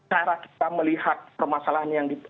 cara kita melihat permasalahan yang